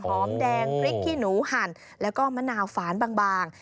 หอมแดงพริกขี้หนูหั่นแล้วก็มะนาวฝานบาง